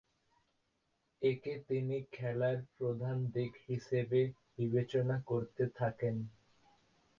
একে তিনি খেলার প্রধান দিক হিসেবে বিবেচনা করতে থাকেন।